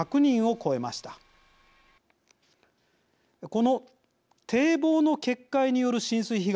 この堤防の決壊による浸水被害